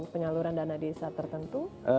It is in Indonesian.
penyaluran dana desa tertentu